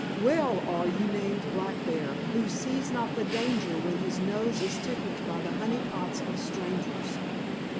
Well are you named 'Black Bear,' who sees not the danger when his nose is tickled by the honey pots of strangers.